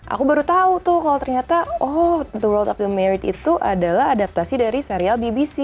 aku baru tahu tuh kalau ternyata oh the world of the merit itu adalah adaptasi dari serial bbc